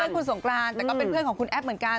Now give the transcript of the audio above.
คุณสงกรานแต่ก็เป็นเพื่อนของคุณแอฟเหมือนกัน